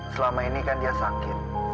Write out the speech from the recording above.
selama ini kan dia sakit